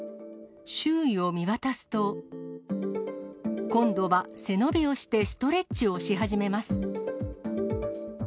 周囲を見渡すと、今度は背伸びをしてストレッチをし始めます。